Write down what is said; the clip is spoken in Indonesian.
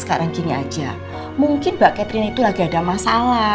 sekarang gini aja mungkin mbak catherine itu lagi ada masalah